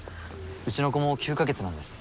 うちの子も９か月なんです。